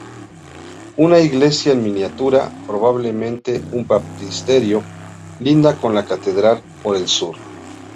Una iglesia en miniatura, probablemente un baptisterio, lindaba con la catedral por el sur.